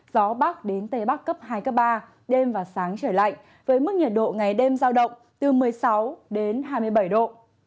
gió bắc đến tây bắc cấp hai cấp ba đêm và sáng trời lạnh với mức nhiệt độ ngày đêm giao động từ một mươi sáu đến hai mươi bảy độ